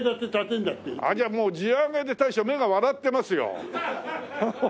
ああじゃあもう地上げで大将目が笑ってますよ。